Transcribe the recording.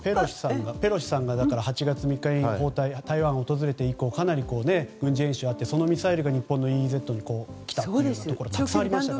ペロシさんが８月３日に台湾を訪れて以降かなり軍事演習があってそのミサイルが日本のＥＥＺに来たというところがたくさんあったので。